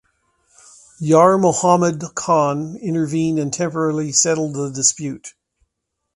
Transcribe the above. Yar Mohammad Khan intervened and temporarily settled the dispute.